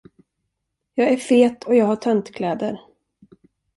Jag är fet och jag har töntkläder.